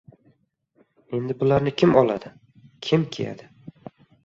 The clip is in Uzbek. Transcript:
"Endi bularni kim oladi, kim kiyadi?